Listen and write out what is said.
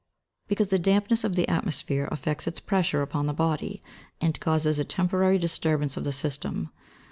_ Because the dampness of the atmosphere affects its pressure upon the body, and causes a temporary disturbance of the system.